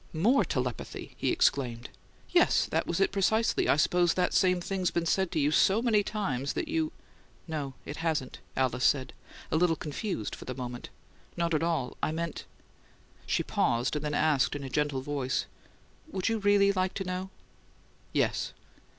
"More telepathy!" he exclaimed. "Yes, that was it, precisely. I suppose the same thing's been said to you so many times that you " "No, it hasn't," Alice said, a little confused for the moment. "Not at all. I meant " She paused, then asked in a gentle voice, "Would you really like to know?" "Yes."